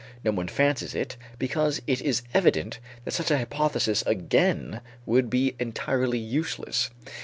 No one fancies it, because it is evident that such a hypothesis again would be entirely useless.